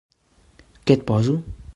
Què et poso?